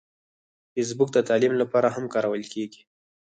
فېسبوک د تعلیم لپاره هم کارول کېږي